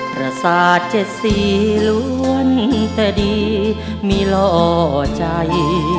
ประสาทเจ็ดสีล้วนแต่ดีมีล่อใจ